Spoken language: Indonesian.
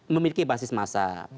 memiliki basis masa